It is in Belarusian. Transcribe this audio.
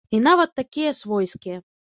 І нават такія свойскія.